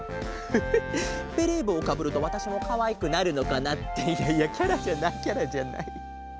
フフベレーぼうをかぶるとわたしもかわいくなるのかな。っていやいやキャラじゃないキャラじゃない。